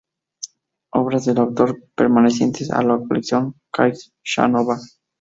Obras del autor pertenecientes a la Colección Caixanova